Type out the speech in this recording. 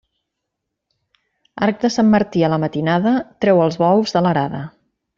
Arc de Sant Martí a la matinada, treu els bous de l'arada.